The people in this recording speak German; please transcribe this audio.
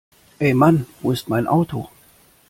Ey Mann wo ist mein Auto?